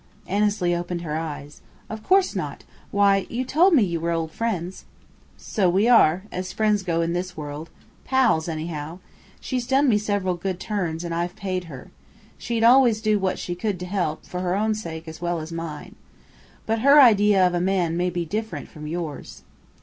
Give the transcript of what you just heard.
Annesley opened her eyes. "Of course not! Why, you told me you were old friends!" "So we are as friends go in this world: 'pals,' anyhow. She's done me several good turns, and I've paid her. She'd always do what she could to help, for her own sake as well as mine. But her idea of a man may be different from yours."